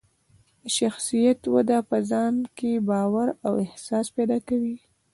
د شخصیت وده په ځان کې باور او ښه احساس پیدا کوي.